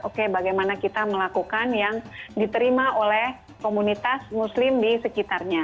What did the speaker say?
oke bagaimana kita melakukan yang diterima oleh komunitas muslim di sekitarnya